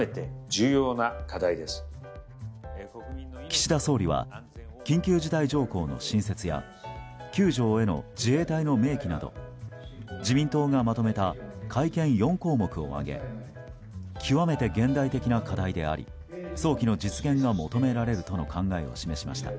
岸田総理は緊急事態条項の新設や９条への自衛隊の明記など自民党がまとめた改憲４項目を挙げ極めて現代的な課題であり早期の実現が求められるとの考えを示しました。